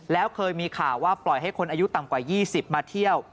แล้วเคยมีข่าวว่าปล่อยให้คนอายุต่ำกว่า๒๐มาเที่ยว